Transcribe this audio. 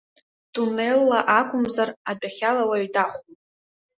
Тунелла акәымзар, адәахьала уаҩ дахәом.